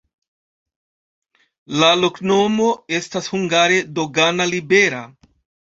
La loknomo estas hungare: dogana-libera.